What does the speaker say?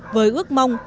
với ước mong